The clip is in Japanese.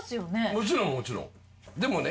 もちろんもちろんでもね